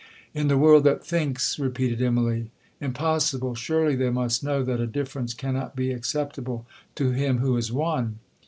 '—'In the world that thinks!' repeated Immalee, 'Impossible! Surely they must know that a difference cannot be acceptable to Him who is One.'